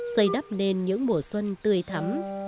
xây đắp nền những mùa xuân tươi thắm